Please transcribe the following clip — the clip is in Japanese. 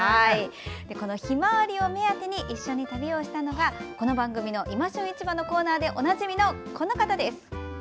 そのひまわりを目当てに一緒に旅をしたのがこの番組の「いま旬市場」のコーナーでおなじみの、この方です。